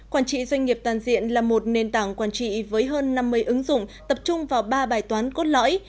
quản trị doanh nghiệp toàn diện là một nền tảng quản trị với hơn năm mươi ứng dụng tập trung vào ba bài toán cốt lõi